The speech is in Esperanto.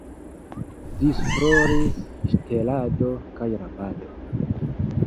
Disfloris ŝtelado kaj rabado.